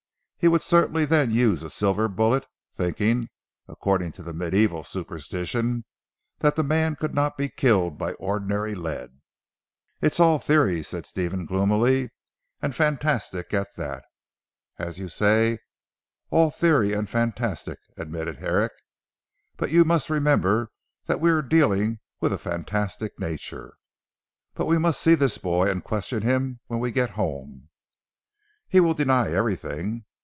He would certainly then use a silver bullet, thinking (according to the mediæval superstition) that the man could not be killed by ordinary lead." "It's all theory," said Stephen gloomily, "and fantastic at that." "As you say all theory and fantastic," admitted Herrick, "but you must remember that we are dealing with a fantastic nature. But we must see this boy and question him when we get home." "He will deny everything."